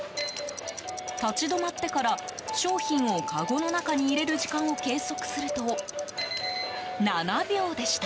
立ち止まってから商品をかごの中に入れる時間を計測すると、７秒でした。